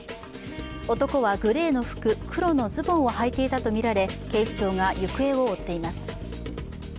男はグレーの服、黒のズボンをはいていたとみられ、警視庁が行方を追っています。